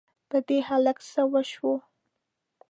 په دې هلک څه وشوو؟!